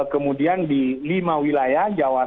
kemudian di lima wilayah